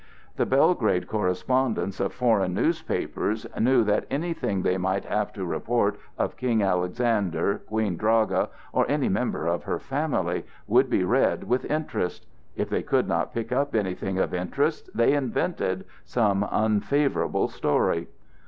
The Belgrade correspondents of foreign newspapers knew that anything they might have to report of King Alexander, Queen Draga, or any member of her family would be read with interest. If they could not pick up anything of interest they invented some unfavorable story.